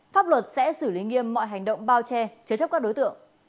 pháp luật sẽ xử lý nghiêm mọi hành động bao che chế chấp các đối tượng